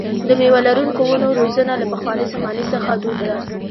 د مېوه لرونکو ونو روزنه له پخوانۍ زمانې څخه دود ده.